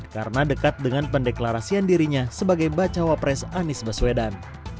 karena dekat dengan pendeklarasian dirinya sebagai bacawa pres anies baswedan